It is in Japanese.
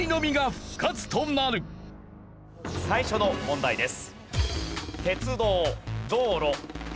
最初の問題です。